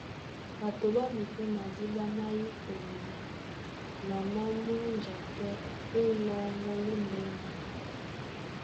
Ɓato ɓá mipɛ́ madíɓá má yí toŋgo na má múnja pɛ́ ó lɔ́ŋgɔ́ lóndɛ́nɛ.